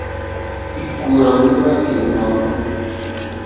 ikura vuba, iruma vuba